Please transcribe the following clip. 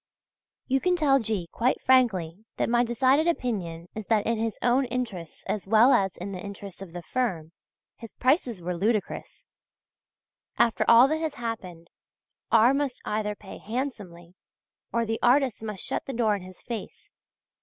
You can tell G. quite frankly that my decided opinion is that in his own interests as well as in the interests of the firm, his prices were ludicrous. After all that has happened, R. must either pay handsomely or the artists must shut the door in his face.